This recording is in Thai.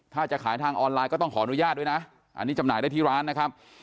ถ้าจะขายทางออนไลน์ก็ต้องขออนุญาตด้วยนะอันนี้จำหน่ายได้ที่ร้านนะครับ